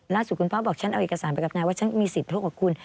คุณพ่อบอกฉันเอาเอกสารไปกับนายว่าฉันมีสิทธิโทรกับคุณ